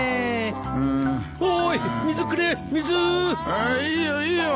ああいいよいいよ。